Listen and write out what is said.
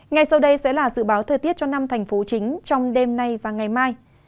ngay sau đây sẽ là dự báo thời tiết cho năm thành phố chính trong đêm nay và ngày mai